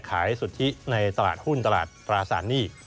สุทธิในตลาดหุ้นตลาดตราสารหนี้